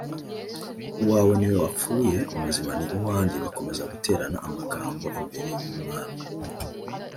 uwawe ni we wapfuye umuzima ni uwanjye Bakomeza guterana amagambo imbere y umwami